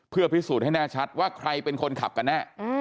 เพื่อพิสูจน์ให้แน่ชัดว่าใครเป็นคนขับกันแน่